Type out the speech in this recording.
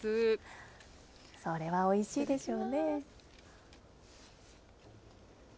これはおいしいでしょうね。